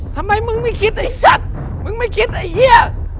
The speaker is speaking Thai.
ทำไมมึงไม่คิดไอ้สัตว์มึงไม่คิดไอ้เฮีย